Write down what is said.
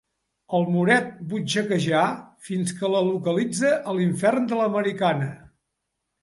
El moret butxaqueja fins que la localitza a l'infern de l'americana.